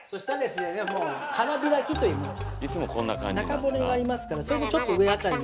中骨がありますからそれのちょっと上あたりを。